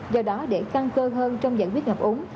do đó để căng cơ hơn trong giải quyết ngập úng